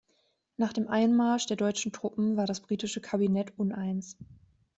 Nach dem Einmarsch der deutschen Truppen war das britische Kabinett uneins.